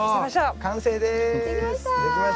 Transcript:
完成です。